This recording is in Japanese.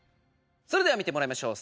それでは見てもらいましょう。